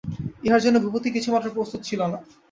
ইহার জন্য ভূপতি কিছুমাত্র প্রস্তুত ছিল না।